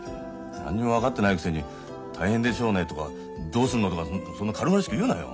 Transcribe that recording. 何にも分かってないくせに大変でしょうねとかどうするのとかそんな軽々しく言うなよ。